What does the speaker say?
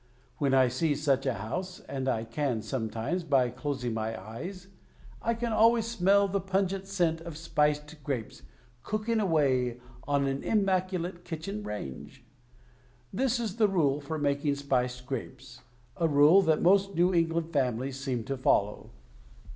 When I see such a house — and I can, sometimes, by closing my eyes — I can always smell the pungent scent of spiced grapes, cooking away on an im maculate kitchen range. This is the rule for making spiced grapes. A rule that most New England families seem to follow.